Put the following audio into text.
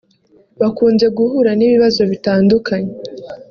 bakunze guhura n’ibibazo bitandukanye